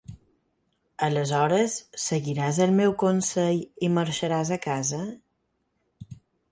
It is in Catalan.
Aleshores seguiràs el meu consell i marxaràs a casa?